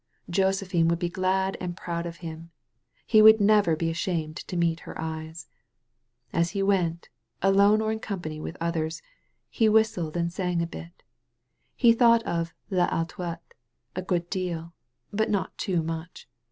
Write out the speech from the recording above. Josephine would be glad and proud of him. He would never be ashamed to meet her eyes. As he went, alone or in company with others, he whistled and sang a bit. He thought of '* VAlouette " a good deal. But not too much.